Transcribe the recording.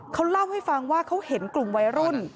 เขาเล่าให้ฟังว่าเขาเห็นกลุ่มวัยรุ่น